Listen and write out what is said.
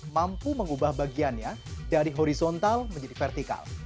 mampu mengubah bagiannya dari horizontal menjadi vertikal